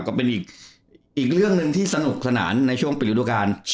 ก็เป็นอีกเรื่องหนึ่งที่สนุกสนานในช่วงปิดฤดูกาล